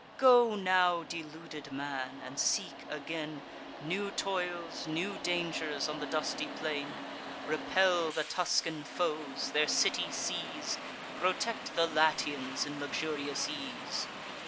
Go now, deluded man, and seek again New toils, new dangers, on the dusty plain. Repel the Tuscan foes; their city seize; Protect the Latians in luxurious ease.